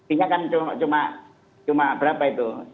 ini kan cuma berapa itu